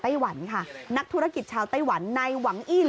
โอ้โหป่านอกนี่นี่นี่